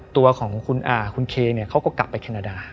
ตัวของคุณเคเขาก็กลับไปแคนาดา